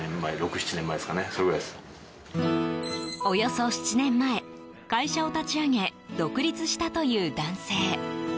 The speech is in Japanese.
およそ７年前、会社を立ち上げ独立したという男性。